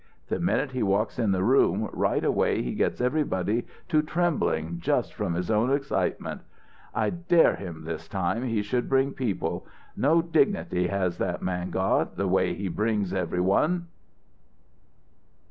The minute he walks in the room, right away he gets everybody to trembling just from his own excitements. I dare him this time he should bring people no dignity has that man got, the way he brings everyone."